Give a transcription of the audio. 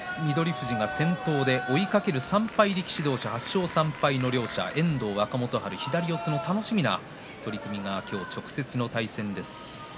富士が先頭で追いかける３敗力士同士８勝３敗の両者、遠藤、若元春左四つの楽しみな取組が今日、直接の対戦です。